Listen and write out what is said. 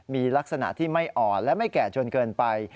มีลักษณะที่ไม่อ่อนและไม่แก่จนเกินไป